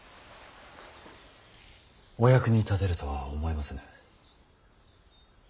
お役に立てるとは思えませぬ。